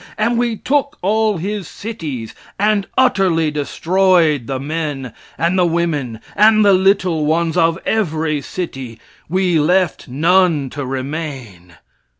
And we took all his cities, and utterly destroyed the men, and the women and the little ones, of every city, we left none to remain?"